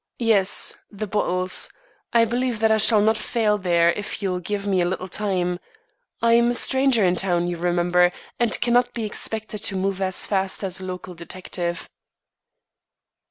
"Yes, the bottles. I believe that I shall not fail there if you'll give me a little time. I'm a stranger in town, you remember, and cannot be expected to move as fast as a local detective."